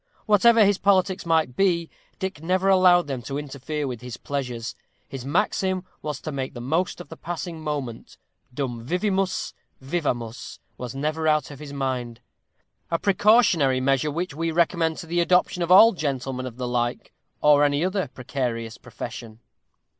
Whatever his politics might be, Dick never allowed them to interfere with his pleasures. His maxim was to make the most of the passing moment; the dum vivimus vivamus was never out of his mind; a precautionary measure which we recommend to the adoption of all gentlemen of the like, or any other precarious profession.